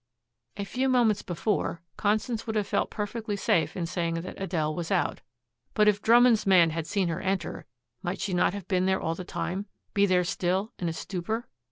A few moments before Constance would have felt perfectly safe in saying that Adele was out. But if Drummond's man had seen her enter, might she not have been there all the time, be there still, in a stupor?